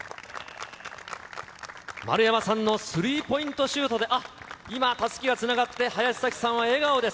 丸山さんのスリーポイントシュートで、今、たすきがつながって、林咲希さんは笑顔です。